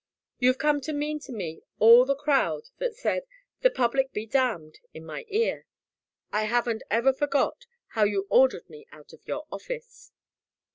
You've come to mean to me all the crowd that said 'The public be damned' in my ear. I haven't ever forgot how you ordered me out of your office."